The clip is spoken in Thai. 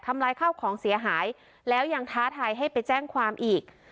ลายข้าวของเสียหายแล้วยังท้าทายให้ไปแจ้งความอีก